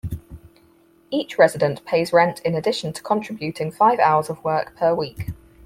Each resident pays rent in addition to contributing five hours of work per week.